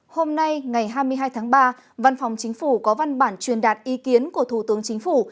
hôm nay ngày hai mươi hai tháng ba văn phòng chính phủ có văn bản truyền đạt ý kiến của thủ tướng chính phủ